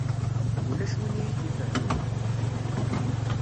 Ulac win i yi-d-ifehhmen.